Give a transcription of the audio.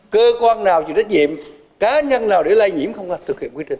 cơ quan nào chịu trách nhiệm cá nhân nào để lây nhiễm không có thực hiện quy trình